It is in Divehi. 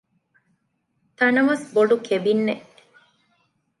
ތަނަވަސް ބޮޑު ކެބިންއެއް